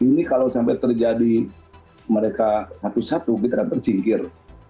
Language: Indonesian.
ini kalau sampai terjadi mereka satu satu kita akan tersingkir